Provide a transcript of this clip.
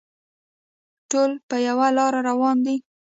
ټول په یوه لاره روان دي.